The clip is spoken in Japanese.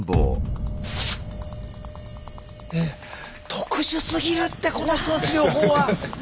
特殊すぎるってこの人の治療法は！